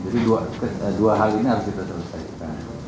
jadi dua hal ini harus kita selesaikan